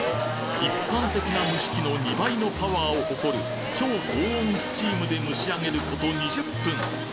一般的な蒸し器の２倍のパワーを誇る超高温スチームで蒸し上げること２０分